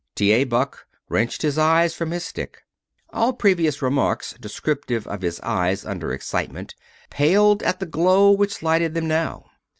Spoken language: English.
T. A. Buck wrenched his eyes from his stick. All previous remarks descriptive of his eyes under excitement paled at the glow which lighted them now.